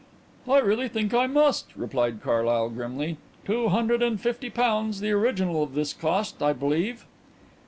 "I really think I must," replied Carlyle grimly. "Two hundred and fifty pounds the original of this cost, I believe."